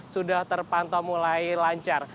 sudah terpantau mulai lancar